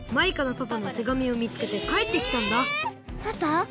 パパ。